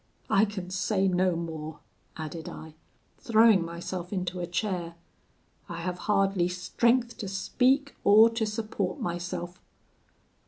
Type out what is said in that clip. I can say no more,' added I, throwing myself into a chair; 'I have hardly strength to speak, or to support myself.'